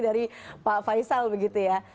dari pak faisal begitu ya